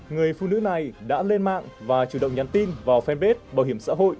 người phụ nữ này đã lên mạng và chủ động nhắn tin vào fanpage bảo hiểm xã hội